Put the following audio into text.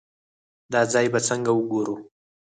دا ځای به څنګه وګورو.